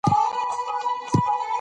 او یا حد اقل ما نه دی لوستی .